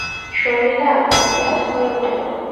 শর্মিলা ব্যতিব্যস্ত হয়ে উঠল।